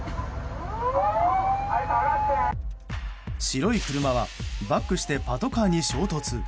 白い車はバックしてパトカーに衝突。